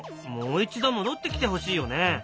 もう一度戻ってきてほしいよね。